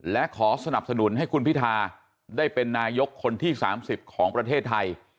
และขอสนับสนุนให้คุณพิทาได้เป็นนายกคนที่๓๐ของประเทศไทย